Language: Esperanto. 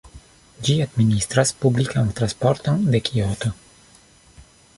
Ĝi administras publikan transporton de Kioto.